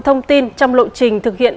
thông tin trong lộ trình thực hiện